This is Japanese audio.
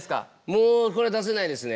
もうこれは出せないですね